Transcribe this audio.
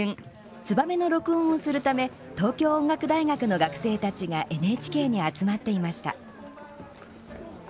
「ツバメ」の録音をするため東京音楽大学の学生たちがＮＨＫに集まっていました。